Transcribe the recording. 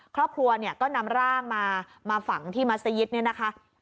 ครอบครัวเนี่ยก็นำร่างมามาฝังที่มัศยิตเนี่ยนะคะ